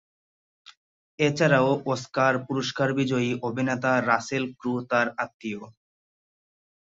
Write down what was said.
এছাড়াও, অস্কার পুরস্কার বিজয়ী অভিনেতা রাসেল ক্রো তার আত্মীয়।